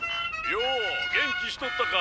「よお元気しとったか」